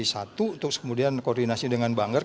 komisi satu untuk kemudian koordinasi dengan banggar